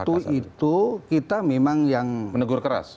waktu itu kita memang yang menegur keras